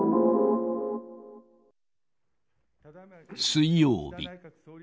水曜日。